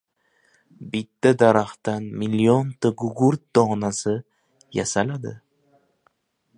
Bitta daraxtdan millionta gugurt donasi yasaladi.